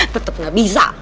tetep gak bisa